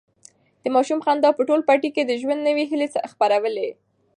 د ماشوم خندا په ټول پټي کې د ژوند نوي هیلې خپرولې.